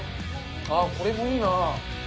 ああ、これもいいな。